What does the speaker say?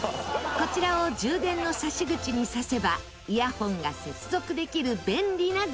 こちらを充電の挿し口に挿せばイヤホンが接続できる便利なグッズ。